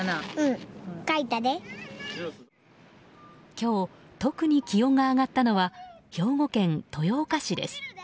今日、特に気温が上がったのは兵庫県豊岡市です。